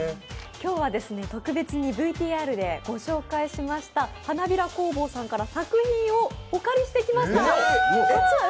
今日は特別にＶＴＲでご紹介しました、Ｈａｎａｂｉｒａ工房さんから作品をお借りしてきました。